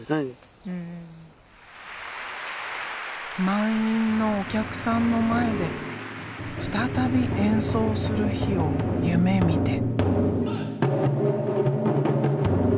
満員のお客さんの前で再び演奏する日を夢みて。